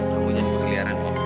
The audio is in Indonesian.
kamu nyari keliarannya